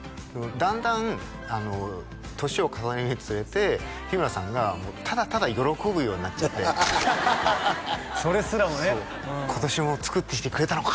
だんだん年を重ねるにつれて日村さんがただただ喜ぶようになっちゃってそれすらもね今年も作ってきてくれたのか！？